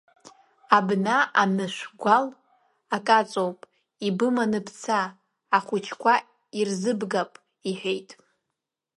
Абна анышәгәал ак аҵоуп, ибыман бца, ахәыҷқәа ирзыбгап, — иҳәеит.